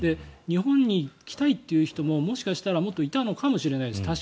日本に来たいという人ももしかしたらもっといたのかもしれないです